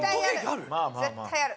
絶対ある。